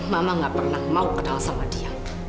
mama gak pernah mau kenal sama dia